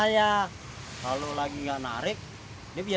ya kok kos anternya